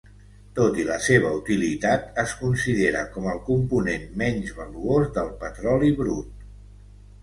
Tot i la seva utilitat, es considera com el component menys valuós del petroli brut.